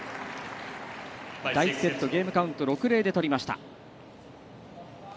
第１セットゲームカウント６−０で取りました。